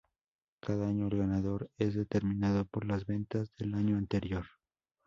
Cada año el ganador es determinado por las ventas del año anterior.